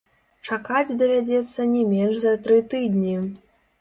Чакаць давядзецца не менш за тры тыдні!